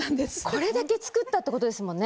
これだけ作ったってことですもんね。